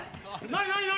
何何？